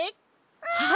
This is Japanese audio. はい！